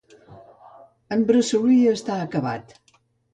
En Bressolí està acabant.